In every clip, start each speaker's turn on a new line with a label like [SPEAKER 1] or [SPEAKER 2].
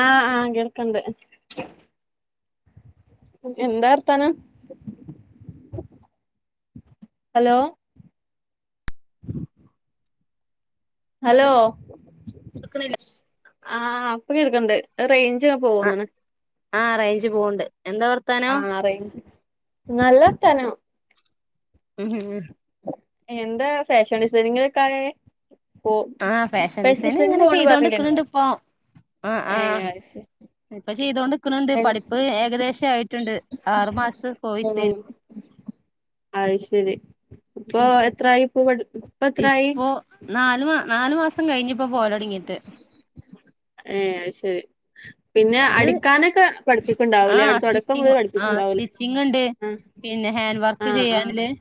[SPEAKER 1] ആഹ് ആഹ് കേൾക്ക്ണ്ട് എന്താ വർത്താനം, ഹലോ ഹലോ
[SPEAKER 2] കേക്ക്ണില്ലേ
[SPEAKER 1] ആഹ് അപ്പൊ എടുക്കണ്ട് അ റെയ്
[SPEAKER 2] ആഹ്
[SPEAKER 1] പോവുന്നുണ്
[SPEAKER 2] ആഹ് റേഞ്ച് പോവ്ണ്ട് എന്താ വർത്താനം
[SPEAKER 1] ആഹ് അറേഞ്ച് നല്ലർത്താനം
[SPEAKER 2] ഉ ഉ ഉ
[SPEAKER 1] എന്താ ഫാഷൻ ഡിസൈനിങ്ങിലൊക്കെ ആയി ഓ,
[SPEAKER 2] ആഹ്
[SPEAKER 1] ഫാഷൻ
[SPEAKER 2] ഡിസൈനിങ്
[SPEAKER 1] ഡിസൈനിങ്ങിൻ
[SPEAKER 2] ഇങ്ങനെ
[SPEAKER 1] പോണ
[SPEAKER 2] ചെയ്തോണ്ട്ക്ക്ണ്
[SPEAKER 1] പറഞ്ഞില്ലേനോ
[SPEAKER 2] ണ്ട് ഇപ്പൊ ആഹ്
[SPEAKER 1] ഏഹ്
[SPEAKER 2] ആഹ്
[SPEAKER 1] അയ് ശരി
[SPEAKER 2] ഇപ്പൊ ചെയ്തോണ്ടിക്ക്ണ്ട്, പഠിപ്പ് ഏകദേശം ആയിട്ടുണ്ട് ആറു മാസത്തെ കോയിസ്
[SPEAKER 1] ഉം
[SPEAKER 2] എയിനു
[SPEAKER 1] അത് ശരി ഇപ്പൊ എത്രായിപ്പോ പഠി എത്രായി
[SPEAKER 2] ഇപ്പോ നാലു മാ, നാലു മാസം കഴിഞ്ഞിപ്പോ ഇപ്പോ പോകലു തുടങ്ങിയിട്ട്
[SPEAKER 1] ഏഹ് അയ്ശരി പിന്നെ
[SPEAKER 2] അത്
[SPEAKER 1] അടിക്കാനൊക്കെ പഠിപ്പിക്കുണ്ടാവൂലേ
[SPEAKER 2] ആഹ്
[SPEAKER 1] അവിടെ തുടക്കം
[SPEAKER 2] സ്റ്റിച്ചിങ്
[SPEAKER 1] മുതല്
[SPEAKER 2] ആഹ്
[SPEAKER 1] പഠിപ്പിക്കുണ്ടാവൂലേ
[SPEAKER 2] സ്റ്റിച്ചിങ് ഇണ്ട് പിന്നെ ഹാൻഡ് വർക്ക് ചെയ്യാൻ ല്ലത്,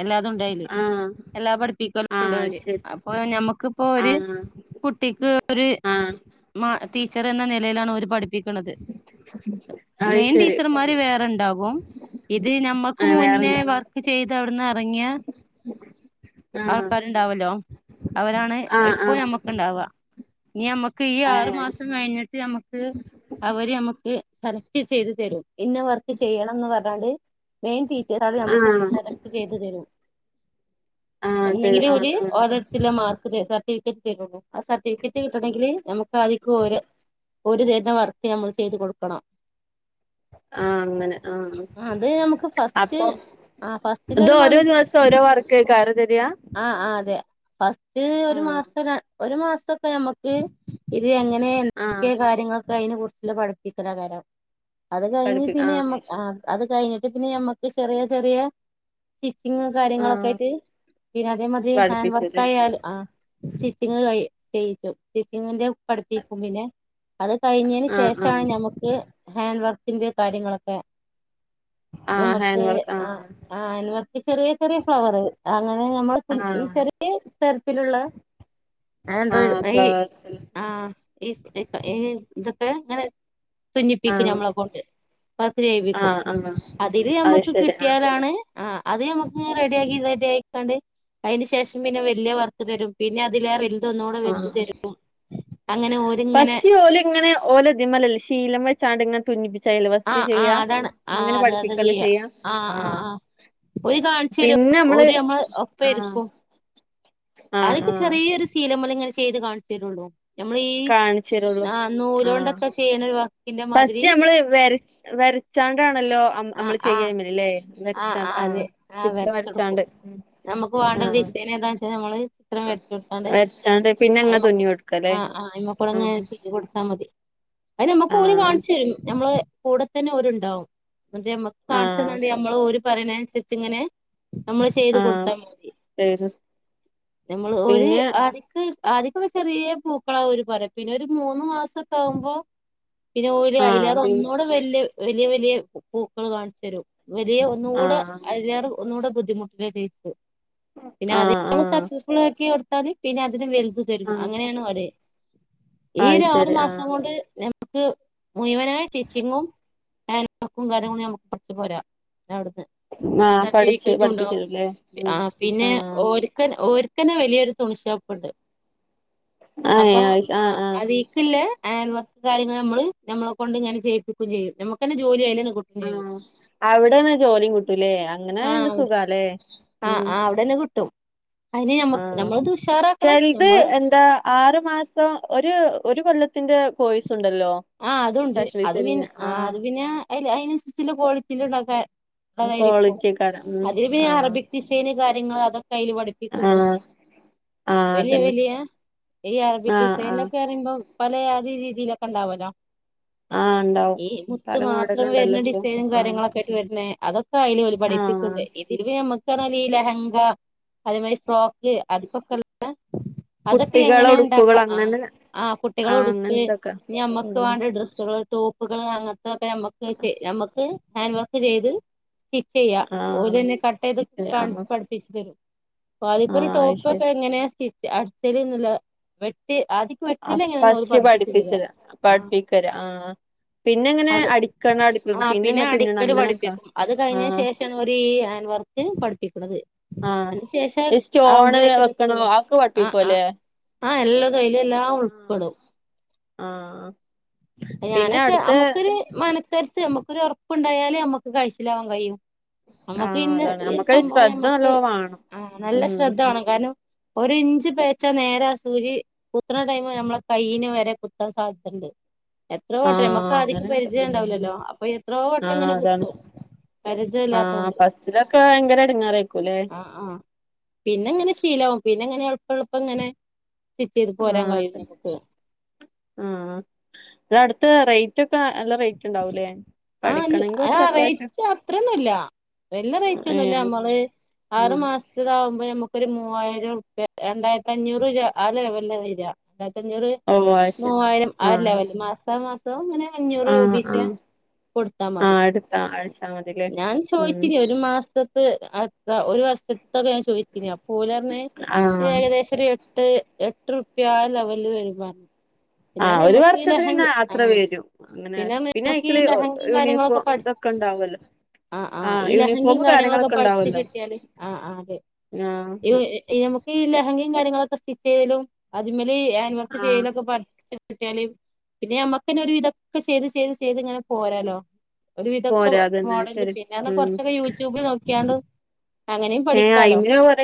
[SPEAKER 2] എല്ലാതും ഉണ്ടായി
[SPEAKER 1] ആഹ് ആഹ്
[SPEAKER 2] എല്ലാ പഠിപ്പിക്കല്ലുംണ്ട്
[SPEAKER 1] ആഹ് അത്
[SPEAKER 2] അവര്
[SPEAKER 1] ശരി
[SPEAKER 2] അപ്പൊ ഞമ്മുക്ക്പ്പോ ഒര്
[SPEAKER 1] ആഹ്
[SPEAKER 2] കുട്ടിക്ക് ഒരു
[SPEAKER 1] ആഹ്
[SPEAKER 2] മ ടീച്ചർ എന്ന നിലയിലാണ് അവര് പഠിപ്പിക്കണത്
[SPEAKER 1] അത്
[SPEAKER 2] മെയിൻ
[SPEAKER 1] ശരി
[SPEAKER 2] ടീച്ചറ്മാര് വേറെ ഉണ്ടാകും ഇത്
[SPEAKER 1] ആ
[SPEAKER 2] ഞമ്മൾക്ക് മുന്നേ
[SPEAKER 1] വേറെന്താ
[SPEAKER 2] വർക്ക് ചെയ്ത് അവിടുന്ന് ഇറങ്ങിയ ആൾക്കാരുണ്ടാവുല്ലോ അവരാണ്
[SPEAKER 1] ആഹ്
[SPEAKER 2] ഇപ്പൊ
[SPEAKER 1] ആഹ്
[SPEAKER 2] നമുക്ക് ക്ക്‌ണ്ടാവുക, ഇനി ഞമ്മുക്ക് ഈ ആറു
[SPEAKER 1] ആഹ്
[SPEAKER 2] മാസം കഴിഞ്ഞിട്ട് ഞമ്മുക്ക് അവര് നമ്മുക്ക് സെലക്ട് ചെയ്ത് തരും ഇന്ന വർക്ക് ചെയ്യണംന്ന് പറഞ്ഞാണ്ട് മെയിൻ ടീച്ചറത് നമുക്ക്
[SPEAKER 1] ആഹ് ആഹ്
[SPEAKER 2] സെലക്ട് ചെയ്തു തരും
[SPEAKER 1] ആഹ് തരും
[SPEAKER 2] ന്നെങ്കിലെ
[SPEAKER 1] ആഹ്
[SPEAKER 2] ഓര്
[SPEAKER 1] ആഹ് ആഹ്
[SPEAKER 2] ഒരെട് മാർക്ക് ത സർട്ടിഫിക്കറ്റ് തരുള്ളൂ ആ സർട്ടിഫിക്കറ്റ് കിട്ടണെങ്കില് ഞമ്മക്ക് ആദ്യം ക്ക് ഓര് ഓര് തരുന്ന വർക്ക് ഞമ്മൾ ചെയ്ത് കൊടുക്കണം
[SPEAKER 1] ആഹ് അങ്ങനെ ആഹ്
[SPEAKER 2] അത് നമുക്ക് ഫസ്റ്റ്
[SPEAKER 1] അപ്പം
[SPEAKER 2] ആ
[SPEAKER 1] ഇത്
[SPEAKER 2] ഫസ്റ്റിലൊരു മന്ത്
[SPEAKER 1] ഓരോ ദിവസം ഓരോ വർക്കയ്കാരം തരാ
[SPEAKER 2] ആഹ് ആഹ് അതെ ഫസ്റ്റ് ഒരു
[SPEAKER 1] ആഹ്
[SPEAKER 2] മാസത്തിന ഒരു മാസൊതൊക്കെ ഞമുക്ക് ഇത് എങ്ങനെ
[SPEAKER 1] ആഹ്
[SPEAKER 2] എന്തൊക്കെ കാര്യങ്ങൾ അതിനെ കുറിച്ചുള്ള പഠിപ്പിക്കൽ എയ്കാരം, അത് കഴിഞ്ഞ്
[SPEAKER 1] പഠിപ്പി
[SPEAKER 2] പിന്നെ
[SPEAKER 1] ആഹ്
[SPEAKER 2] ഞമ്മ
[SPEAKER 1] അത് ശരി
[SPEAKER 2] ആഹ് അത് കഴിഞ്ഞിട്ട് പിന്നെ ഞമ്മക്ക് ചെറിയ, ചെറിയ സ്റ്റിച്ചിങ് കാര്യങ്ങളൊക്കെ
[SPEAKER 1] ആഹ്
[SPEAKER 2] ആയിട്ട് പിന്നെ അതേമാതിരി ഹാൻഡ് വർക്ക്
[SPEAKER 1] പഠിപ്പിച്ചുല്ലേ
[SPEAKER 2] ആയാലും ആഹ് സ്റ്റിച്ചിങ് കായി ചെയ്യിക്കും സ്റ്റിച്ചിങ്ങിന്റെ പഠിപ്പിക്കും പിന്നെ കഴിഞ്ഞേന്
[SPEAKER 1] ആഹ്
[SPEAKER 2] ശേഷാണ്
[SPEAKER 1] ആഹ്
[SPEAKER 2] ഞമക്ക് ഹാൻഡ് വർക്കിന്റെ കാര്യങ്ങളൊക്കെ
[SPEAKER 1] ആഹ്
[SPEAKER 2] ഞമ്മക്ക്
[SPEAKER 1] ഹാൻഡ് വർക്ക്
[SPEAKER 2] ആഹ് ഹാൻഡ്‌വർക്ക് ചെറിയ ചെറിയ ഫ്ലവറ് അങ്ങനെ ഞമ്മള് ഈ
[SPEAKER 1] ആഹ്
[SPEAKER 2] ചെറിയ തരത്തിലുള്ള ആൻഡ്രോയിഡ്
[SPEAKER 1] ആഹ്
[SPEAKER 2] ഈ
[SPEAKER 1] ഫ്ലവേഴ്സില്
[SPEAKER 2] ആഹ് ഈ ഇതൊക്കെ ഇങ്ങനെ തുന്നിപ്പിക്കും
[SPEAKER 1] ആഹ്
[SPEAKER 2] ഞമ്മളെ കൊണ്ട് വർക്ക് ചെയ്യിപ്പിക്കും
[SPEAKER 1] ആഹ് ആഹ്
[SPEAKER 2] അതില്
[SPEAKER 1] അത്
[SPEAKER 2] നമ്മുക്ക്
[SPEAKER 1] ശരി ആഹ്
[SPEAKER 2] കിട്ടിയാലാണ് ആഹ് അത് നമുക്ക് റെഡിയാക്കി റെഡി ആയിക്കണ്ട് അതിന് ശേഷം പിന്നെ വലിയ വർക്ക് തരും പിന്നെ അതില് റിൽ ഇതൊന്നുകൂടെ വെ [unintelligible]
[SPEAKER 1] ആഹ്
[SPEAKER 2] തരും അങ്ങനെ ഓരിങ്ങനെ
[SPEAKER 1] ഫസ്റ്റ് ഓല് ഇങ്ങനെ ഓലതിമേല് ശീലം മ്മെ ചാടിങ്ങനെ തുന്നിപ്പിച്ച അതില്
[SPEAKER 2] ആ
[SPEAKER 1] ഫസ്റ്റ്
[SPEAKER 2] ആ
[SPEAKER 1] ചെയ്യാം
[SPEAKER 2] അതാണ് ആ
[SPEAKER 1] അങ്ങനെ
[SPEAKER 2] അത് അത്
[SPEAKER 1] പഠിപ്പിക്കല്ല ചെയ്യാ
[SPEAKER 2] ആ ആ
[SPEAKER 1] ആഹ്
[SPEAKER 2] ആ ഓര് കാണിച്ചു തരും
[SPEAKER 1] പിന്നെ നമ്മള്
[SPEAKER 2] ഓര് ഒപ്പം
[SPEAKER 1] ആഹ്
[SPEAKER 2] ഇരിക്കും അതൊക്കെ
[SPEAKER 1] ആഹ്
[SPEAKER 2] ചെറിയൊരു ശീലമേല് ഇങ്ങനെ ചെയ്ത് കാണിച്ചു തരുള്ളൂ നമ്മള് ഈ
[SPEAKER 1] കാണിച്ചരുള്ളൂ
[SPEAKER 2] ആ
[SPEAKER 1] ആഹ്
[SPEAKER 2] നൂലോണ്ടൊക്കെ ചെയ്യണ ഒരു വർക്കിന്റെ മാതിരി
[SPEAKER 1] ഫസ്റ്റ് നമ്മള് വര വര ചാണ്ടണല്ലോ
[SPEAKER 2] ആ
[SPEAKER 1] നമ്മള്
[SPEAKER 2] ആ
[SPEAKER 1] ചെയ്യയ്മല് ല്ലേ
[SPEAKER 2] ആഹ് അതെ ആഹ് വരച്ചെടുക്കും നമുക്ക് വേണ്ട
[SPEAKER 1] ആഹ്
[SPEAKER 2] ഡിസൈൻ ഏതാന്ന് വെച്ചാല് നമ്മള് ചിത്രം വരച്ച് കൊടുത്താണ്ട്
[SPEAKER 1] വരച്ചാണ്ട് പിന്നെ അങ്ങ് തുന്നി കൊടുക്കല്ലേ
[SPEAKER 2] ആ അയമകൂടെ
[SPEAKER 1] ആഹ്
[SPEAKER 2] സ്റ്റിച് കൊടുത്താ മതി അയന് നമ്മുക്ക് ഓര്
[SPEAKER 1] ആഹ്
[SPEAKER 2] കാണിച്ചു തരും ഞമ്മള് കൂടെ തന്നെ ഓരുണ്ടാവും എന്നേ [unintelligible] ഞമ്മക്ക് കാണിച്ച്
[SPEAKER 1] ആഹ്
[SPEAKER 2] ത ഞമ്മള് ഓര് പറയുന്നതിനനുസരിച്ചിങ്ങനെ ഞമ്മള് ചെയ്ത്
[SPEAKER 1] ആഹ്
[SPEAKER 2] കൊടുത്താ മതി
[SPEAKER 1] ശരി
[SPEAKER 2] നമ്മള് ഒരു
[SPEAKER 1] പിന്നെ
[SPEAKER 2] ആദിക്ക് ആദ്യോക്കൊക്കെ ചെറിയ പൂക്കളാവര് പറ പിന്നെ ഒരു മൂന്ന് മാസക്കാവുമ്പോ പിന്നെ ഓര്
[SPEAKER 1] ആഹ്
[SPEAKER 2] അയ്ലേറേ
[SPEAKER 1] പി
[SPEAKER 2] ഒന്നൂടെ വല്ല്യെ വലിയ വലിയ പൂക്കള് കാണിചെരും വലിയ ഒന്ന്കൂട
[SPEAKER 1] ആഹ്
[SPEAKER 2] അയ്ലേറേ ഒന്നുട ബുദ്ധിമുട്ട്ല്ല സൈസ് പിന്നെ അത് [inaudible]
[SPEAKER 1] ആഹ് ആഹ്
[SPEAKER 2] സക്സസ്ഫുള്ളാക്കി കൊടുത്താല് പിന്നെ അതിലും വല്ത് തരും
[SPEAKER 1] ആഹ്
[SPEAKER 2] അങ്ങനെണ് ഓര് ഈ
[SPEAKER 1] അത്
[SPEAKER 2] ഒരാറ്
[SPEAKER 1] ശരി ആഹ്
[SPEAKER 2] മാസങ്കൊണ്ട് ഞമ് മക്ക് മുയവനായ സ്റ്റിച്ചിങ്ങും ഹാൻഡർക്കും കാര്യങ്ങളും നമക്ക് പഠിച്ച് പോരാ അവ്ട്ന്ന്
[SPEAKER 1] ആഹ് പഠിച്ച്
[SPEAKER 2] സർട്ടിഫിക്കറ്റുണ്ടാവും
[SPEAKER 1] പഠിപ്പിച്ചരൂല്ലേ ഉം
[SPEAKER 2] ആ പിന്നെ ഓര് ഒര്ക്കന്നെ വലിയൊരു തുണിശോപ്പ്ണ്ട്
[SPEAKER 1] ആഹ്
[SPEAKER 2] അപ്പൊ
[SPEAKER 1] ആഹ്
[SPEAKER 2] അ
[SPEAKER 1] ആഹ്
[SPEAKER 2] അതീ ല്ലേ ഹാൻഡർക്കും കാര്യള് മ്മള് നമ്മളെ കൊണ്ടിങ്ങനെ ചെയ്യിപ്പിക്കുചെയ്യും നമുക്കന്നെ ജോലി അയ്ലൺ
[SPEAKER 1] ആ അവിടന്നെ ജോലിം കിട്ടുല്ലേ അങ്ങനായോണ്ട് സുഖ ല്ലേ ഉം
[SPEAKER 2] അവടന്നെ കിട്ടും അതിന് നമ്മ
[SPEAKER 1] ആഹ്
[SPEAKER 2] നമ്മളത് ഉഷാറാക്കണം
[SPEAKER 1] ചെൽത്
[SPEAKER 2] നമ്മള്
[SPEAKER 1] എന്താ ആറ് മാസം ഒരു ഒരു കൊല്ലത്തിന്റെ കോഴസ് ണ്ടല്ലോ
[SPEAKER 2] ആഹ് അതുണ്ട് അത് പിന്നെ ആ അത് പിന്നെ അയ്ല് അയ്നൻസരിച്ള്ള ക്വാളിറ്റില് [unintelligible]
[SPEAKER 1] കോളിറ്റ്യേക്കാരം ഉം ആഹ്
[SPEAKER 2] ഷീന് കാര്യങ്ങള് അതൊക്കയ്ല് പഠി സുണ്ട്
[SPEAKER 1] ആഹ് ആഹ്
[SPEAKER 2] വലിയ
[SPEAKER 1] അതന്നെ
[SPEAKER 2] വലിയ ഈ അറബിക്
[SPEAKER 1] ആഹ് ആഹ്
[SPEAKER 2] ഡിസൈലൊക്ക റയുമ്പോ പലേ യാതി രീതിലൊക്കെ ണ്ടാവലോ
[SPEAKER 1] ആഹ് ഉണ്ടാവും
[SPEAKER 2] ഈ മുത്ത്
[SPEAKER 1] പല
[SPEAKER 2] മാത്രം
[SPEAKER 1] മോഡലും ഉണ്ടല്ലോ
[SPEAKER 2] വരുണെ
[SPEAKER 1] ഇപ്പൊ
[SPEAKER 2] ഡിസൈനും
[SPEAKER 1] ആഹ്
[SPEAKER 2] കാര്യങ്ങളൊക്കായ്ട്ട് വരുണെ അതൊ ക്കയ്ല് ഓല്
[SPEAKER 1] ആഹ്
[SPEAKER 2] ഉപഠിപ്പിക്ക്ണ്ട് ഇതില് പ്പ ഞമ്മക്കർഞാല് ഈ ലെഹങ്ക അതേമാരി ഫ്രോക് അത് പക്കല് [inaudible] ല അതൊക്കെ
[SPEAKER 1] കുട്ടികളെ
[SPEAKER 2] എങ്ങനെ ണ്ടാക്ക
[SPEAKER 1] ഉടുപ്പുകൾ
[SPEAKER 2] ആ
[SPEAKER 1] അങ്ങനെ
[SPEAKER 2] ആ
[SPEAKER 1] ആഹ്
[SPEAKER 2] കുട്ടികളുടുപ്പ്
[SPEAKER 1] അങ്ങനത്തൊക്കെ
[SPEAKER 2] ഞമ്മക്ക്
[SPEAKER 1] ഉം
[SPEAKER 2] വാണ്ട ഡ്രുസ്സ്കള് ടോപ്കള് അങ്ങൻത്തക്കെ നമ്മക്ക് ചെ നമ്മക്ക് ഹാൻ വർക്ക് ചെയ്ത് കി ചെയ്യാ
[SPEAKER 1] ആഹ്
[SPEAKER 2] ഓരന്നെ കട്ടെയ്ത്
[SPEAKER 1] ആഹ്
[SPEAKER 2] കാൺച്
[SPEAKER 1] ആഹ്
[SPEAKER 2] പ ഠി ച്തരും പ്പാദ്യക്കൊരു ടോപ്
[SPEAKER 1] അയ്ശരി
[SPEAKER 2] ഒക്കെ എങ്ങനെയ സ്റ്റിച്ച് അട്ച്ചല് ന്നില്ല വെട് ആദിക്ക് വെട്ടലെങ്ങനെ ന്നോല് പഠിപ്പിച് തരാ
[SPEAKER 1] പട്പ്പിക്കല് ആ പിന്നെങ്ങനെ
[SPEAKER 2] അത്
[SPEAKER 1] അടിക്കണ [unintelligible]
[SPEAKER 2] ആഹ്
[SPEAKER 1] പിന്നെ ങ്ങനെ തുന്നണ
[SPEAKER 2] അടിക്കല്
[SPEAKER 1] അങ്ങനെക്കാ
[SPEAKER 2] പഠിപ്പിക്കും അത് കയ്ഞ്ഞ ശേഷണോരീ ആൻ വർക്ക് പഠിപ്പിക്ണത്
[SPEAKER 1] ആഹ്
[SPEAKER 2] അ [inaudible] ന് ശേഷ
[SPEAKER 1] ഈ സ്റ്റോണ്
[SPEAKER 2] ആവുമ്പളെ
[SPEAKER 1] വെക്കണോ
[SPEAKER 2] ഇതൊക്കെത്തൊള്ളൂ
[SPEAKER 1] അതൊക്കെ
[SPEAKER 2] അ ആ
[SPEAKER 1] പഠിപ്പിക്കുവല്ലേ
[SPEAKER 2] ആ എല്ലതു അയ്ലെല്ലാം ഉൾപ്പെടും
[SPEAKER 1] ആഹ് പിന്നെ
[SPEAKER 2] ഞാനൊക്കെ
[SPEAKER 1] അടുത്ത
[SPEAKER 2] അമ്ക്കൊര് മനക്കര്ത്ത് അമ്മക്കൊരൊറപ്ണ്ടായാല് അമ്മക്ക് കയ്ചിലാവാ കയ്യും നമ്മക്ക്
[SPEAKER 1] ആഹ്
[SPEAKER 2] ന്നെ
[SPEAKER 1] അതാണ്
[SPEAKER 2] ഈ ഒര്
[SPEAKER 1] നമ്മുക്കത്
[SPEAKER 2] സംഭവ
[SPEAKER 1] ശ്രദ്ധ
[SPEAKER 2] ഞമ്മക്ക്
[SPEAKER 1] നല്ലോ വേണം
[SPEAKER 2] ഉം നല്ല ശ്രദ്ധ വാണം കാരണം ഒരിഞ്ച് പേയച്ച നേര ആ സൂചി കുത്തണ ടൈമ് നമ്മള കൈയ്യിന് വരെ കുത്താൻ സാധ്യത ഇണ്ട് എത്രോ വട്ടം
[SPEAKER 1] ആഹ്
[SPEAKER 2] ഞമ്മക്കാദ്യോക്കെ
[SPEAKER 1] അങ്ങനെണ്ട് ഉം
[SPEAKER 2] പരിചയണ്ടാവലല്ലോ അപ്പൊ എത്രോ വട്ടം
[SPEAKER 1] ആഹ്
[SPEAKER 2] ഇങ്ങനെ
[SPEAKER 1] അതാണ്
[SPEAKER 2] കുത്തും
[SPEAKER 1] ആഹ്
[SPEAKER 2] പരിചയല്ലാത്തൊണ്ട്
[SPEAKER 1] ഫസ്റ്റിലൊക്കെ ഭയങ്കര എടങ്ങേറായിരിക്കൂല്ലേ
[SPEAKER 2] ആഹ് ആഹ് പിന്നെ ഇങ്ങനെ ശീലാവും പിന്നെ ഇങ്ങനെ എൾപ്പെൾപ്പ ഇങ്ങനെ സ്റ്റിച്ച് ചെയ്ത് പോരാൻ
[SPEAKER 1] ആഹ്
[SPEAKER 2] കഴിയും
[SPEAKER 1] അതെന്നെ
[SPEAKER 2] നമുക്ക്
[SPEAKER 1] ആഹ് ഇങ്ങളട്ത്ത് റേ റ്റൊക്ക നല്ല റേറ്റ് ഇണ്ടാവൂലേ
[SPEAKER 2] ആഹ്
[SPEAKER 1] പഠിക്കണെങ്കി കൊർച്ചാത്യാവശ്യം
[SPEAKER 2] വെല്ലേ റേറ്റൊന്നുല്ല നമ്മള് ആറ്
[SPEAKER 1] ആഹ്
[SPEAKER 2] മാസ താവുമ്പ മ്മക്കൊര് മൂവ്വായിരം രണ്ടായിരത്തഞ്ഞൂറ് ആ ലെവൽല വര ണ്ടായ്രത്തഞ്ഞൂറ്
[SPEAKER 1] ഓ അത് ശരി
[SPEAKER 2] മൂവായിരം ആ
[SPEAKER 1] ആഹ്
[SPEAKER 2] ഒര്ലെവല് മാസമാസ ഇങ്ങനെ ഞ്ഞൂറ്
[SPEAKER 1] ആഹ്
[SPEAKER 2] രൂപി ച്ചെ
[SPEAKER 1] ആഹ്
[SPEAKER 2] കൊട്ത്താ മതി
[SPEAKER 1] ആഹ് അടുത്ത ആഴ്ച മതില്ലേ
[SPEAKER 2] ഞാൻ
[SPEAKER 1] ഉം
[SPEAKER 2] ചോദിച്ചിന് ഒരു മാസ്ത് പ്പ് ന്ത ഒരു വർഷത്തൊക്കെ ഞാൻ ചോയ്ച്ചിന് അപ്പൊലറഞ്
[SPEAKER 1] ആഹ്
[SPEAKER 2] ഒരേകദേശോരെ എട്ട് എ എട്ട്രൂപ്യാ ആ ലെവലെരു റഞ്ഞ പിന്നെ
[SPEAKER 1] ആഹ് ഒരു
[SPEAKER 2] നമക്കീ ലഹ
[SPEAKER 1] വർഷത്തിലിന്നെ അത്ര
[SPEAKER 2] ആഹ്
[SPEAKER 1] വരും അങ്ങനെ
[SPEAKER 2] പിന്നെ നമക്കീ
[SPEAKER 1] അയിക്ക്‌ല്
[SPEAKER 2] ലഹങ്കീ കാര്യങ്ങളൊക്കെ
[SPEAKER 1] യൂണിഫോം
[SPEAKER 2] പഠ
[SPEAKER 1] ഇതൊക്കെ ഉണ്ടാവല്ലോ
[SPEAKER 2] ആഹ് ആ ഈ ലഹങ്കയും കാര്യങ്ങളൊക്കെ പഠിച്ചു കിട്ടിയാല് ആ ആ അതെ
[SPEAKER 1] ആഹ്
[SPEAKER 2] ന [unintelligible] ഈ ലെഹങ്കയും കാര്യങ്ങളൊക്കെ സ്റ്റിച്ച് ചെയ്തലും അതി മേല ഈ ആനിേഴ
[SPEAKER 1] ആഹ്
[SPEAKER 2] ചെയ്തലൊക്കെ പഠ് മറ്റ പിന്നെ അമ്മക്കന ഒരു ഇതൊക്കെ ചെയ്ത് ചെയ്ത് ചെയ്ത് ഇങ്ങനെ പോരാലോ ഒരുവിധൊക്കെ
[SPEAKER 1] പോരാ അതന്നെ
[SPEAKER 2] മോഡല
[SPEAKER 1] ശരി
[SPEAKER 2] പിന്നെന്ന
[SPEAKER 1] ഉം
[SPEAKER 2] കൊറച്ചൊക്കെ യൂട്യൂബിൽ നോക്കിയാണ്ട് അങ്ങനെയും
[SPEAKER 1] ഏഹ അയി
[SPEAKER 2] പഠിക്കാലോ
[SPEAKER 1] കൊറ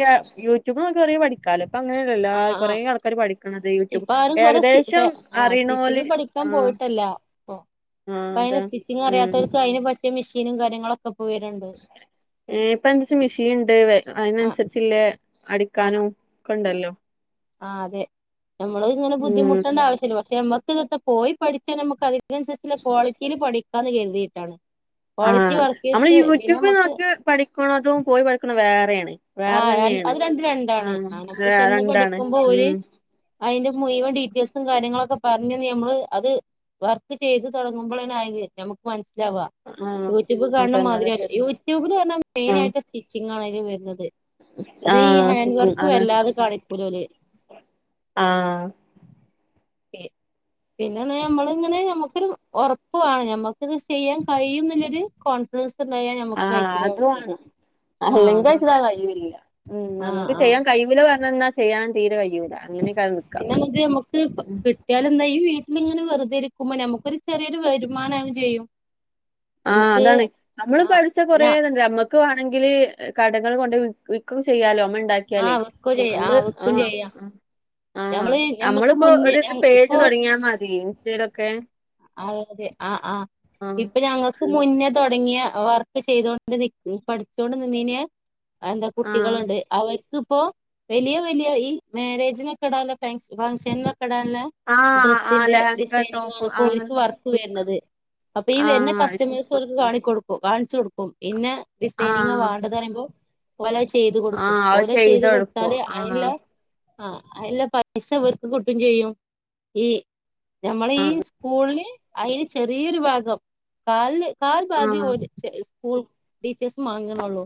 [SPEAKER 1] യൂട്യൂബ് നൊക്കെ പറയാ പഠിക്കാലോ അപ്പൊ അങ്ങനെയല്ല കുറേ ആൾ
[SPEAKER 2] ഇപ്പ ആരും കൊറെ്
[SPEAKER 1] അറിയണോല്
[SPEAKER 2] സ്റ്റിച്ചിങ് പഠിക്കാൻ
[SPEAKER 1] ആഹ്
[SPEAKER 2] പോയിട്ടല്ല ഇപ്പ
[SPEAKER 1] ആഹ്
[SPEAKER 2] അതിന്
[SPEAKER 1] അതാ
[SPEAKER 2] സ്റ്റിച്ചിങ്
[SPEAKER 1] ഉം
[SPEAKER 2] അറിയാത്തവർക്ക് അതിനന് പറ്റിയ മെഷീനും കാര്യങ്ങളും ഒക്കെ ഇപ്പോ വരുണ്ടുണ്ട്
[SPEAKER 1] ഏ ഇപ്പ എന്താച്ചാ മെഷീൻ ഉണ്ട്
[SPEAKER 2] ആഹ്
[SPEAKER 1] അതിനനുസരിച്ചില്ലേ അടിക്കാനോ ഒക്കെ ഇണ്ടല്ലോ
[SPEAKER 2] ആ അതെ നമ്മള് ഇങ്ങനെ
[SPEAKER 1] ഉം
[SPEAKER 2] ബുദ്ധിമുട്ടേണ്ട ആവശ്യമില്ല പക്ഷെ നമ്മക്ക് ഇതൊ പോയി പഠിച്ചാ നമുക്ക്തി എ എൻ എസിലെ കോളിറ്റിയിലെ പഠിക്കാന്ന് കരുതിയിട്ടാണ് ക്വാളിറ്റി
[SPEAKER 1] ആഹ് നമ്മള്
[SPEAKER 2] വർക്കേഴ്സ് പിന്നെ
[SPEAKER 1] യൂട്യൂബിൽ
[SPEAKER 2] നമുക്ക്
[SPEAKER 1] നോക്കി പഠിക്കണോ അതും പോയി പഠിക്കണോ വേറെയാണ്
[SPEAKER 2] ആ
[SPEAKER 1] വേറെ തന്നെയാണ്
[SPEAKER 2] അത് രണ്ടും രണ്ടാണ് ആ
[SPEAKER 1] അത്
[SPEAKER 2] നമ്മൾ ചെന്ന്
[SPEAKER 1] രണ്ടാണ്
[SPEAKER 2] പഠിക്കുമ്പോ ഓല്
[SPEAKER 1] ഉം
[SPEAKER 2] അതിന്റെ മുഴുവൻ ഡീറ്റെയിൽസും കാര്യങ്ങളൊക്കെ പറഞ്ഞഞ് നമ്മള് അത് വർക്ക് ചെയ്ത് തുടങ്ങുമ്പോൾ നമുക്ക് മനസ്സിലാവവാ
[SPEAKER 1] ആ
[SPEAKER 2] യൂട്യൂബ് കാണുന്ന
[SPEAKER 1] അതന്നെ അതെ
[SPEAKER 2] മാതിരില്ല
[SPEAKER 1] ശരി
[SPEAKER 2] യൂട്യൂബില് കാ മെയിൻ
[SPEAKER 1] ആ
[SPEAKER 2] ആയിട്ട് സ്റ്റിച്ചിങ് ആണ് അയില് വരുന്നത് അത്
[SPEAKER 1] ആ
[SPEAKER 2] ഈ ഹാൻഡ്
[SPEAKER 1] സ്റ്റിച്ചിങ്
[SPEAKER 2] വർക്ക്
[SPEAKER 1] ആണ്
[SPEAKER 2] വല്ലാതെ കാണിക്കൂലോ അല്ലേ
[SPEAKER 1] ആ
[SPEAKER 2] [inaudible] പിന്നെണ നമ്മളിങ്ങനെ നമുക്കൊരു ഉറപ്പാണ് നമ്മുക്ക് ഇത് ചെയ്യാൻ കഴിയും എന്ന് ഇല്ലെരു കോ [unintelligible]
[SPEAKER 1] ആഹ് അത് വാണ്
[SPEAKER 2] ആഹ്
[SPEAKER 1] അല്ലെങ്കി
[SPEAKER 2] അതുകൊണ്ടാണ്
[SPEAKER 1] ച് [unintelligible] ഉം
[SPEAKER 2] ആഹ്
[SPEAKER 1] നമുക്ക്
[SPEAKER 2] ആഹ്
[SPEAKER 1] ചെയ്യൻ കയൂല പറഞ്ഞന്നാ ചെയ്യാൻ തീരെ കയ്യൂല
[SPEAKER 2] പിന്നെ ഞമ്മക്ക് ഞമ്മക്ക് കി കിട്ടിയാല് എന്താ ഈ വീട്ടിലിങ്ങെ വെറുതെ ഇരിക്കുമ്പോ നമുക്കൊരു ചെറിയൊരു വരുമാനം ആവും ചെയ്യും
[SPEAKER 1] ആഹ്
[SPEAKER 2] നമുക്ക്
[SPEAKER 1] അതാണ് നമ്മള്
[SPEAKER 2] ആഹ്
[SPEAKER 1] പഠിച്ച
[SPEAKER 2] ഞാ
[SPEAKER 1] കൊറേണ്ട് ഞമ്മ വാണെങ്കിൽ കടകളിൽ കൊണ്ട് വിക്കെക്കെ ചെയ്യാലോ ഞമ്മ ഉണ്ടാക്കിയാലേ
[SPEAKER 2] ആഹ് വിക്കും ചെയ്യാം
[SPEAKER 1] നമ്മള്
[SPEAKER 2] വിക്കും
[SPEAKER 1] ആഹ്
[SPEAKER 2] ചെയ്യാം
[SPEAKER 1] ആഹ്
[SPEAKER 2] ഞമ്മള് ഞമ്മക്ക്
[SPEAKER 1] നമ്മളിപ്പോ
[SPEAKER 2] മുന്നേ
[SPEAKER 1] ഒരു പേജ്
[SPEAKER 2] ഇപ്പൊ
[SPEAKER 1] തുടങ്ങിയാൽ മതി ഇൻസ്റ്റയിലൊക്കെ
[SPEAKER 2] അതെ അതെ ആഹ് ആഹ്
[SPEAKER 1] ആഹ്
[SPEAKER 2] ഇപ്പൊ ഞങ്ങക്ക് മുന്നേ തൊടങ്ങിയ വർക്ക് ചെയ്തൊണ്ട് പഠിച്ചോണ്ട് നിന്നീന്യെ അഹ് എന്താ
[SPEAKER 1] ആഹ്
[SPEAKER 2] കുട്ടികള്ണ്ട്. അവർക്കിപ്പോ വലിയ വലിയ ഈ മാരേജിനൊക്കെ ഇടാല്ല ഫ ഫംഗ്ഷനൊക്കെ ഇടാൻല്ല.
[SPEAKER 1] ആഹ് ആഹ്
[SPEAKER 2] ഡ്രസ്സിന്റെ
[SPEAKER 1] ലെഹങ്ക
[SPEAKER 2] ഡിസൈനിങ്
[SPEAKER 1] ടോപ്പ്
[SPEAKER 2] ആണ്.
[SPEAKER 1] ആഹ്
[SPEAKER 2] ഓൽക്ക് വർക്ക് വര്ന്നത്. അപ്പൊ ഈ വരുന്ന
[SPEAKER 1] ആഹ് അത് ശരി
[SPEAKER 2] കസ്റ്റമേഴ്സ് കാണിക്ക കൊടുക്കും കാണിച്ചു കൊടുക്കും. ഇന്നെ ഡിസൈനിങ്ങാ
[SPEAKER 1] ആഹ്
[SPEAKER 2] വേണ്ടത് പറയുമ്പം. ഓല അത് ചെയ്തു കൊടുക്കും.
[SPEAKER 1] ആഹ് അത്
[SPEAKER 2] ഓല ചെയ്തു
[SPEAKER 1] ചെയ്തൊടുക്കും
[SPEAKER 2] കൊടുത്താല്
[SPEAKER 1] ആഹ്
[SPEAKER 2] അയ്ന്ല്ലെ. ആ അയ്ല്ല പൈസ ഓർക്ക് കിട്ടും ചെയ്യും. ഈ ഞമ്മള ഈ
[SPEAKER 1] ആഹ്
[SPEAKER 2] സ്കൂള്ന് അതിന് ചെറിയൊരു ഭാഗം കാല് കാൽ ഭാഗ്യം
[SPEAKER 1] ആഹ്
[SPEAKER 2] ഓല് സ്കൂൾ ടിച്ചേയ്സ് മാങ് നൊള്ളു.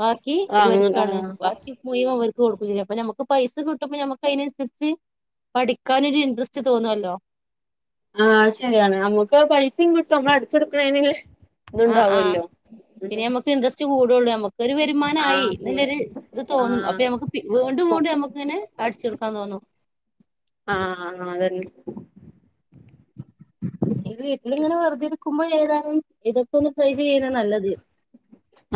[SPEAKER 2] ബാക്കി
[SPEAKER 1] ആഹ്
[SPEAKER 2] ഇവർക്കാണ്
[SPEAKER 1] ആഹ്
[SPEAKER 2] ബാക്കി മുഴ്വൻ ഇവർ കൊടുക്ക [unintelligible] അപ്പ ഞമക്ക് പൈസ കിട്ടുമ്പ ഞമക്കയ്ന് കിട്ടി പഠിക്കാനൊരു ഇൻട്രസ്റ്റ് തോന്നല്ലോ.
[SPEAKER 1] ആഹ് ശെരിയാണ് അമ്മുക്ക് പൈസിം കിട്ടും. നമ്മള് അടിച്ചെടുക്ക്ണേന്.
[SPEAKER 2] ആഹ് ആഹ് പിന്നെ നമ്മുക്ക് ഇൻട്രസ്റ്റ് കൂടൊള്ളൂ ഞമ്മക്ക്. ഒരു വരുമാന ആയി.
[SPEAKER 1] ആഹ് കൂടും
[SPEAKER 2] ഇന്ന്ള്ളൊരു ഇത് തോന്നും അപ്പൊ നമക്ക്
[SPEAKER 1] ആഹ്
[SPEAKER 2] വീണ്ടും വീണ്ടും നമ്മുക്കിനെ അടിച്ചെടുക്കാൻ തോന്നും.
[SPEAKER 1] ആഹ് ആഹ് അതെന്നെ
[SPEAKER 2] [inaudible] ഇത് വീട്ടിലിങ്ങനെ വെറുതെരിക്കുമ്പോ ഏതാനും ഇതൊക്കെ ഒന്ന് ട്രൈ ചെയ്യ്ണ നല്ലത്.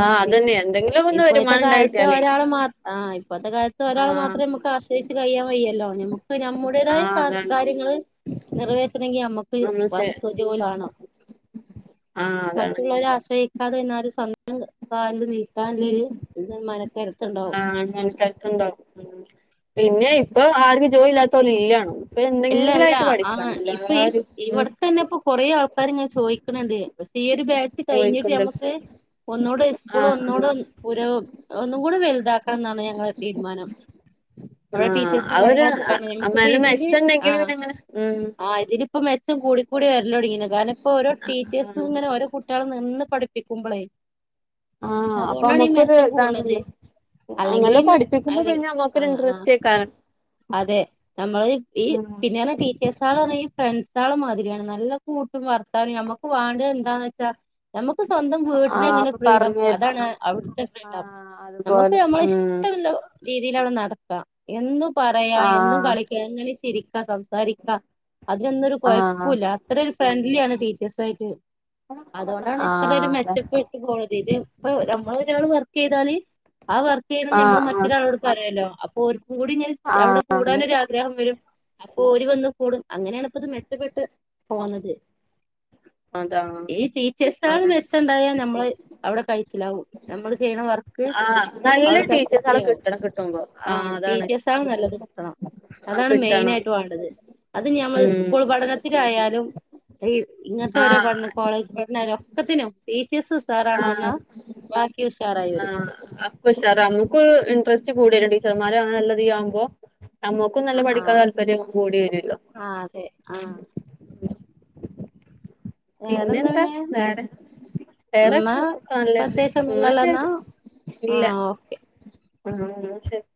[SPEAKER 1] ആഹ് അതന്നെ എന്തെങ്കിലും ഒന്ന്
[SPEAKER 2] ഇപ്പോഴത്തെ
[SPEAKER 1] വരുമാനം
[SPEAKER 2] കാലത്ത്
[SPEAKER 1] ഉണ്ടായിട്ടാലേ
[SPEAKER 2] ഒരാള് മാ ആ ഇപ്പത്തെ കാലത്ത് ഒരാൾ
[SPEAKER 1] ആഹ്
[SPEAKER 2] മാത്രേ നമക്ക് ആശ് രി കഴിയാൻ വയ്യല്ലോ. നമുക്ക് നമ്മുടേതായ
[SPEAKER 1] ആഹ്
[SPEAKER 2] കാ
[SPEAKER 1] അതാണ്
[SPEAKER 2] കാര്യങ്ങള് നിറവേ.. ങ്കിൽ ഞമ്മക്ക്
[SPEAKER 1] ഒന്ന് ചെ
[SPEAKER 2] വർക്ക് ജോലാണം.
[SPEAKER 1] ആഹ് അതാണ്
[SPEAKER 2] മറ്റുള്ളവരെ ആശ്രയിക്കാതെ നിന്നാല് സ്വന്തം കാൽ നിൽ
[SPEAKER 1] ആനത്തക്ക്ണ്ടോ? ഉം പിന്നെ ഇപ്പൊ ആർക്കും ജോലി ഇല്ലാതോല് ഇല്ലാണും. ഇപ്പ
[SPEAKER 2] ഇല്ല
[SPEAKER 1] എന്തെങ്കിലും
[SPEAKER 2] ഇല്ല
[SPEAKER 1] ആയിട്ട്
[SPEAKER 2] ആ
[SPEAKER 1] പഠിക്കാണ്
[SPEAKER 2] ഇപ്പൊ ഈ
[SPEAKER 1] എല്ലരും ഉം.
[SPEAKER 2] ഇവിടക്ക് തന്നെ ഇപ്പൊ കൊറേ ആൾക്കാര് ഇങ്ങനെ ചോദിക്ക്ണ് ഇണ്ട്. ഈയൊരു ബാച്ച് കഴിഞ്ഞിട്ട്
[SPEAKER 1] പോയിക്കൊണ്ട്
[SPEAKER 2] ഞമ്മക്ക് ഒന്നൂടി സ്കൂൾ
[SPEAKER 1] ആഹ് ആഹ്
[SPEAKER 2] ഒന്നൂടെ.. പുരൊ ഒന്നും കൂടി വല്താക്കണം ന്നാണ് ഞങ്ങളെ തീരുമാനം. അവിടെ
[SPEAKER 1] ആഹ്
[SPEAKER 2] ടീച്ചേഴ്സും
[SPEAKER 1] അതൊരു
[SPEAKER 2] കാര്യങ്ങളൊക്കെ പറ്ഞ്ഞു. നമ്മുക്കിപ്പ
[SPEAKER 1] നല്ല
[SPEAKER 2] ഇതില്..
[SPEAKER 1] മെച്ചണ്ടെങ്കിൽ
[SPEAKER 2] ആഹ്
[SPEAKER 1] പിന്നെ അങ്ങനെ ഉം
[SPEAKER 2] ആഹ് ഇതില് ഇപ്പോ മെച്ചം കൂടി കൂടി വരലൊടങ്ങീന് കാര്ണം ഇപ്പോ ഓരോ ടീച്ചേഴ്സും
[SPEAKER 1] ആഹ്
[SPEAKER 2] ഇങ്ങനെ. ഒരു കുട്ട്യേളെ നിന്ന് പഠിപ്പിക്കുമ്പളേ
[SPEAKER 1] ആഹ് അപ്പൊ
[SPEAKER 2] അതുകൊണ്ടാണ്
[SPEAKER 1] നമ്മുക്കൊരു
[SPEAKER 2] മെച്ചം കൂട്ണത്.
[SPEAKER 1] ഇതാണല്ലോ
[SPEAKER 2] അല്ലെങ്കില് ഈ
[SPEAKER 1] നല്ലോ
[SPEAKER 2] മെ
[SPEAKER 1] പഠിപ്പിക്കുമ്പോ
[SPEAKER 2] അല്ലെ
[SPEAKER 1] പിന്നെ നമ്മുക്കൊരു
[SPEAKER 2] ആഹ് ആഹ്.
[SPEAKER 1] ഇൻട്രസ്റ്റ് ആക്കാരം
[SPEAKER 2] അതെ നമ്മള് ഈ
[SPEAKER 1] ഉം
[SPEAKER 2] പി ഞാനെ ടീച്ചേഴ്സാളാണ് ഈ ഫ്രണ്ട്സേ ളമാതിരിയാണ്. നല്ല കൂട്ടും വർത്താനും നമ്മുക്ക് വാണ്ട്യ എന്താന്ന് വെച്ചാ.. നമുക്ക് സ്വന്തം വീട്ടില്
[SPEAKER 1] ആഹ്
[SPEAKER 2] എങ്ങനെ
[SPEAKER 1] ഒക്കെ
[SPEAKER 2] ഫ്രീഡം.
[SPEAKER 1] പറഞ്ഞ്
[SPEAKER 2] അതാണ് അവിടുത്തെ ഫ്രീഡം.
[SPEAKER 1] ആഹ്
[SPEAKER 2] നമുക്ക്
[SPEAKER 1] അതുപോലെ
[SPEAKER 2] നമ്മള ഇഷ്ടം
[SPEAKER 1] ഉം
[SPEAKER 2] [unintelligible] ല്ല.. രീതിയിലാണ് നടക്ക എന്തും പറയാ എന്തു
[SPEAKER 1] ആഹ്
[SPEAKER 2] കളിക്ക എങ്ങനിം ചിരിക്ക സം സാരിക്കാ അതിനൊന്നു ഒരു
[SPEAKER 1] ആഹ്
[SPEAKER 2] കൊഴപ്പുല്ല. അത്ര ഒരു ഫ്രണ്ട്ലി ആണ് ടീച്ചേഴ്സ് ആയിട്ട്. അതോണ്ടാണ് ഇത്ര
[SPEAKER 1] ആഹ്
[SPEAKER 2] ഒരു
[SPEAKER 1] അതെ
[SPEAKER 2] മെച്ചപ്പെട്ട് പോയത്. ഇത് ഇപ്പ നമ്മൾ ഒരാള് വർക്ക് ചെയ്താല്.. ആ വർക്ക് ചെയ്യണം ഞമ്മൾ
[SPEAKER 1] ആഹ് ആഹ്
[SPEAKER 2] മറ്റൊരാളോട് പറയല്ലോ. അപ്പൊ ഓര് കൂടി ഇഞ്ഞഹ് അവിടെ
[SPEAKER 1] ആഹ്
[SPEAKER 2] കൂടാനൊരു ആഗ്രഹം വെരും. അപ്പൊ ഓര് വന്ന് കൂടും. അങ്ങനെയാണ് ഇപ്പത് മെച്ചപ്പെട്ട് പോന്നത്.
[SPEAKER 1] അതാ
[SPEAKER 2] ഈ ടീച്ചേഴ്സാള്
[SPEAKER 1] അങ്ങനെ
[SPEAKER 2] മെച്ചെണ്ടായാൽ നമ്മള് അവിടെ കയ്ച്ചിലാവും. നമ്മള് ചെയ്യ്ണ വർ.
[SPEAKER 1] ആഹ് നല്ല
[SPEAKER 2] അവിടെ സക്സസ്ഫുളി
[SPEAKER 1] ടീച്ചേഴ്സാളെ
[SPEAKER 2] ആകും
[SPEAKER 1] കിട്ടണം കിട്ടുമ്പോ
[SPEAKER 2] ആ
[SPEAKER 1] ആഹ് അതാണ്
[SPEAKER 2] ടീച്ചേഴസേള് നല്ലത് കിട്ടണം.
[SPEAKER 1] ആഹ്
[SPEAKER 2] അതാണ് മെയിൻ
[SPEAKER 1] കിട്ടണം
[SPEAKER 2] ആയിട്ട് വാണ്ടത്. അത് ഞമ്മൾ
[SPEAKER 1] ഉം
[SPEAKER 2] സ്കൂൾ പഠനത്തിലായാലും. ഈ ഇങ്ങൻത്തെ ഓരോ
[SPEAKER 1] ആഹ്
[SPEAKER 2] പഠന കോളേജ് പഠനര ഒക്കത്തിനും. ടീച്ചേസും ഉസാറാണോ എന്നാ
[SPEAKER 1] ആഹ്
[SPEAKER 2] വാക്കി ഷാറായി വരും.
[SPEAKER 1] പ ഉഷാർ നമുക്ക് ഇൻറസ്റ്റ് കൂടിയലും ടീച്ചർമാര് അന നല്ലതീ ആവുമ്പോ. നമ്മുക്കും നല്ല
[SPEAKER 2] ആഹ്
[SPEAKER 1] പഠിക്കാൻ
[SPEAKER 2] ആഹ്
[SPEAKER 1] താല്പര്യം കൂടി വരൊല്ലോ.
[SPEAKER 2] ആഹ് അതെ ആഹ് വേറെന്താ
[SPEAKER 1] പിന്നെന്താ
[SPEAKER 2] പിന്നെ
[SPEAKER 1] വേറെ. വേറെ
[SPEAKER 2] എന്നാ
[SPEAKER 1] ക്കൊ നല്ലേന്നെ ന്നാ
[SPEAKER 2] പ്രത്യേകിച്ചൊന്നുല്ലല്ലോ എന്നാ
[SPEAKER 1] ശരി ഇല്ല.
[SPEAKER 2] ആഹ്
[SPEAKER 1] ആഹ് ശരി